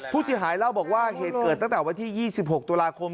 ผู้เสียหายเล่าบอกว่าเหตุเกิดตั้งแต่วันที่๒๖ตุลาคม